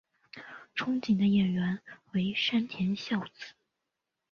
憧憬的演员为山田孝之。